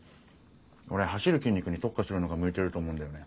オレ走る筋肉に特化するのが向いてると思うんだよね。